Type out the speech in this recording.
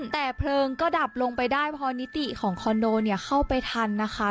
แต่เพลิงก็ดับลงไปได้พอนิติของคอนโดเนี่ยเข้าไปทันนะคะ